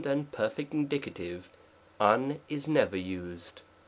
and Perf Indicative av is never used.